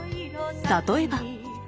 例えば。